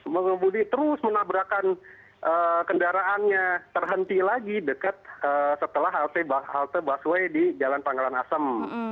pengemudi terus menabrakan kendaraannya terhenti lagi dekat setelah halte busway di jalan panggalan asem